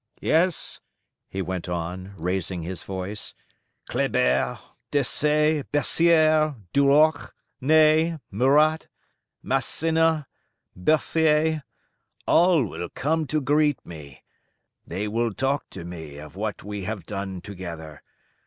Yes," he went on, raising his voice, "Kléber, Desaix, Bessières, Duroc, Ney, Murat, Massena, Berthier, all will come to greet me: they will talk to me of what we have done together.